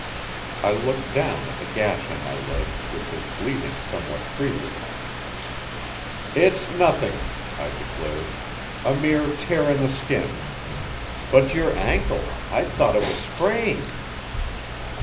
I looked down at the gash on my leg, which was bleeding somewhat freely. "It's nothing," I declared; "a mere tear in the skin. But your ankle! I thought it was sprained?"